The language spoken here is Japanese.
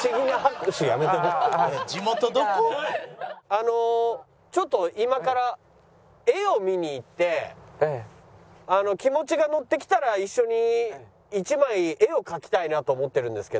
あのちょっと今から絵を見に行って気持ちがノッてきたら一緒に１枚絵を描きたいなと思ってるんですけど。